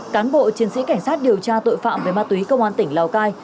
cán bộ chiến sĩ cảnh sát điều tra tội phạm về ma túy công an tỉnh lào cai